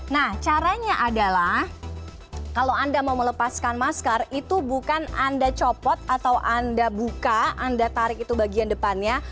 nah caranya adalah kalau anda mau melepaskan masker itu bukan anda copot atau anda buka anda tarik itu bagian depannya